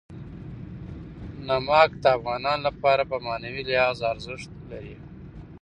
نمک د افغانانو لپاره په معنوي لحاظ ارزښت لري.